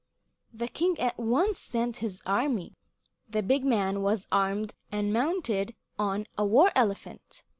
The king at once sent his army. The big man was armed and mounted on a war elephant.